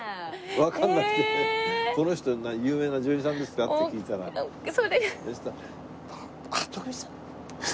わからなくて「この人有名な女優さんですか？」って聞いたらそしたら「徳光さん静香です」。